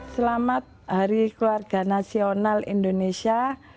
selamat hari keluarga nasional indonesia